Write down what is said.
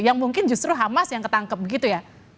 yang mungkin justru hamas yang ketangkep begitu ya